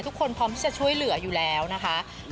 พร้อมที่จะช่วยเหลืออยู่แล้วนะคะ